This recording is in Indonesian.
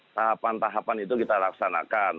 tahapan tahapan itu kita laksanakan